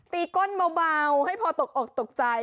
ก้นเบาให้พอตกออกตกใจ